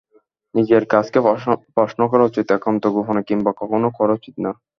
নিজের কাজকে প্রশ্ন করা উচিত একান্ত গোপনে, কিংবা কখনোই করা উচিত না।